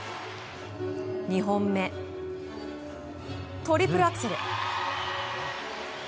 ２本目、トリプルアクセル。